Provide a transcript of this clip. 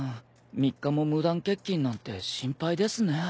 ３日も無断欠勤なんて心配ですね。